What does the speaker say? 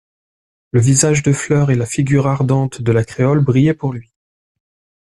Le visage de fleur, et la figure ardente de la créole brillaient pour lui.